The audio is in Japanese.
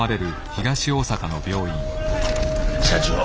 社長